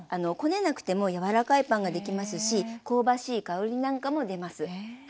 こねなくても柔らかいパンができますし香ばしい香りなんかも出ます。